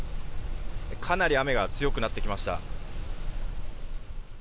かなり雨が強くなってきました。